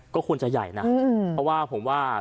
ก็ควรจะใหญ่นะเพราะว่าผมว่า